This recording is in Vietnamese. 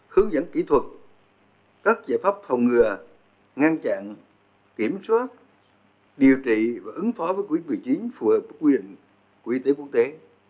hướng dẫn kỹ thuật các giải pháp phòng ngừa ngăn chặn kiểm soát điều trị và ứng phó với covid một mươi chín phù hợp với quy định của y tế quốc tế